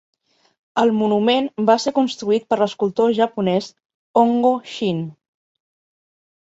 El monument va ser construït per l'escultor japonès Hongo Shin.